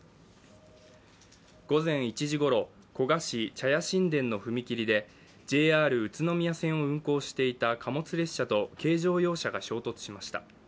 午前１時ごろ、古河市茶屋新田の踏切でＪＲ宇都宮線を運行していた貨物列車と軽乗用車が衝突しました。